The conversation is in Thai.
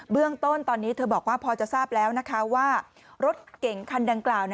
เรื่องต้นตอนนี้เธอบอกว่าพอจะทราบแล้วนะคะว่ารถเก่งคันดังกล่าว